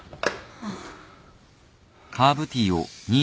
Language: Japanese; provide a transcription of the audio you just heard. ああ。